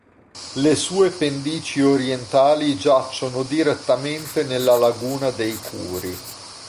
Le sue pendici orientali giacciono direttamente nella laguna dei Curi.